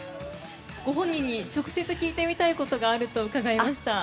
ご本人に直接聞いてみたいことがあると伺いました。